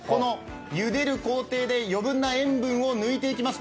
ゆでる工程で余分な塩分を抜いていきます。